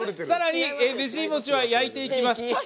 さらに「ベジもち」を焼いていきます。